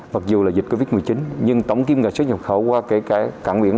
mặc dù là dịch covid một mươi chín nhưng tổng kiếm là số nhập khẩu qua cả cảng biển